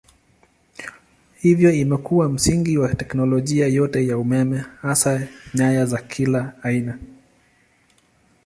Hivyo imekuwa msingi wa teknolojia yote ya umeme hasa nyaya za kila aina.